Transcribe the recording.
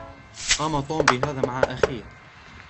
قام توم بهذا مع أخيه.